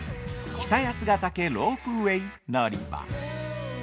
北八ヶ岳ロープウェイ乗り場。